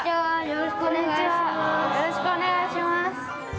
よろしくお願いします。